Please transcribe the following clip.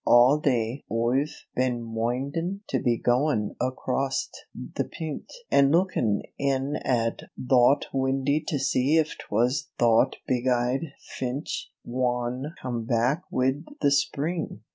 All day Oi've been moinded to be goin' acrost the p'int an' lookin' in at thot windy to see if 'twas thot big eyed Frinch wan come back wid the spring."